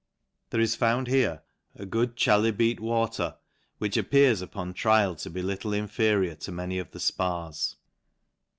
There is found here a good chalybeate wa ter, which appears upon trial to be little inferior tc many of the Spas.